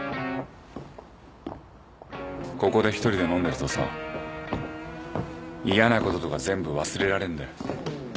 ここで一人で飲んでるとさ嫌なこととか全部忘れられんだよ。